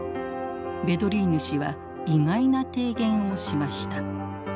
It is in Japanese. ヴェドリーヌ氏は意外な提言をしました。